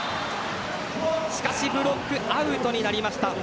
しかしブロックアウトになりました。